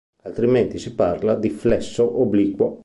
Altrimenti si parla di flesso obliquo.